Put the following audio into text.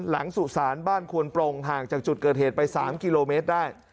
สุสานบ้านควนปรงห่างจากจุดเกิดเหตุไป๓กิโลเมตรได้